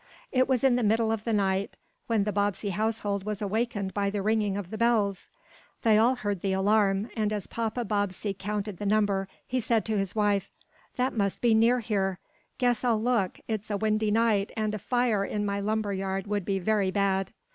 It was in the middle of the night, when the Bobbsey household was awakened by the ringing of fire bells. They all heard the alarm, and as Papa Bobbsey counted the number, he said to his wife: "That must be near here. Guess I'll look. It's a windy night and a fire in my lumber yard would be very bad."